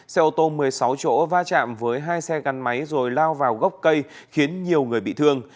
xe ô tô một mươi sáu chỗ va chạm với hai xe gắn máy rồi lao vào gốc cây khiến nhiều người bị thương